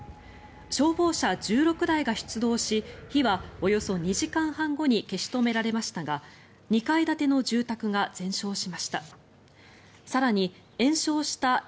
消防車１６台が出動し火はおよそ２時間半後に消し止められましたが２階建ての住宅が全焼しました。